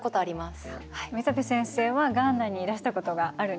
溝辺先生はガーナにいらしたことがあるんですよね。